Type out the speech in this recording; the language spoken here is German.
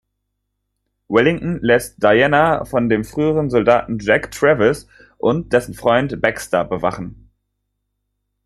Wellington lässt Diana von dem früheren Soldaten Jack Travis und dessen Freund Baxter bewachen.